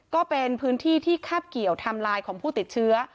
ก็เป็นพื้นที่ที่คาบเกี่ยวไทม์ไลน์ของผู้ติดเชื้อ